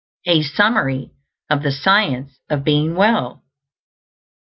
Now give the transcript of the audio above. A SUMMARY OF THE SCIENCE OF BEING WELL.